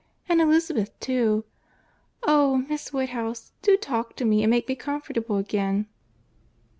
And Elizabeth, too. Oh! Miss Woodhouse, do talk to me and make me comfortable again."